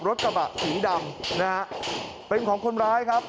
รถกระบะผิดำนะฮะ